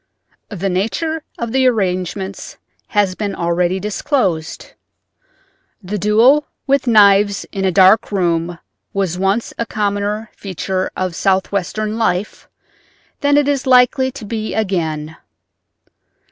The nature of the arrangements has been already disclosed. The duel with knives in a dark room was once a commoner feature of Southwestern life than it is likely to be again.